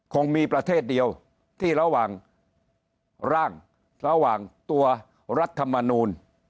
คงมีประเทศเดียวที่ระหว่างร่างระหว่างตัวรัฐมนูล